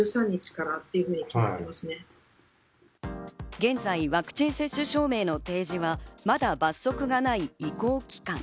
現在ワクチン接種証明の提示はまだ罰則がない移行期間。